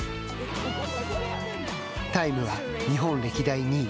タイムは、日本歴代２位。